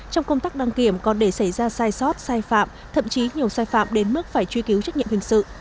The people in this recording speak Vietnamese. trong công tác đăng kiểm còn để xảy ra sai sót sai phạm thậm chí nhiều sai phạm đến mức phải truy cứu trách nhiệm hình sự